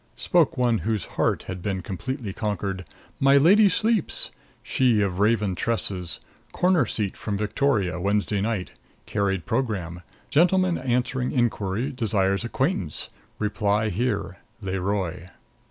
Spoke one whose heart had been completely conquered: MY LADY sleeps. She of raven tresses. Corner seat from Victoria, Wednesday night. Carried program. Gentleman answering inquiry desires acquaintance. Reply here. LE ROI.